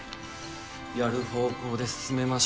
やる方向で進めましょう。